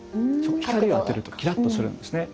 光を当てるとキラっとするんですね。